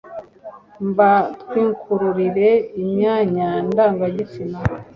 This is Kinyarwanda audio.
mbatwikururire imyanya ndangagitsina